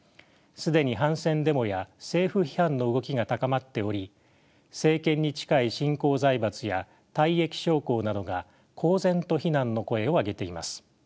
既に反戦デモや政府批判の動きが高まっており政権に近い新興財閥や退役将校などが公然と非難の声を上げています。